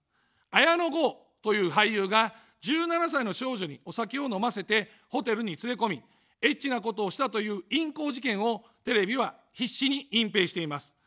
綾野剛という俳優が１７歳の少女にお酒を飲ませて、ホテルに連れ込み、エッチなことをしたという淫行事件をテレビは必死に隠蔽しています。